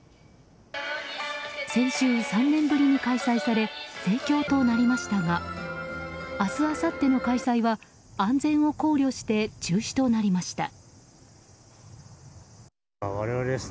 先週、３年ぶりに開催され盛況となりましたが明日あさっての開催は安全を考慮して中止となりました。